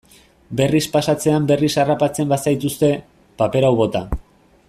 Berriz pasatzean berriz harrapatzen bazaituzte, paper hau bota.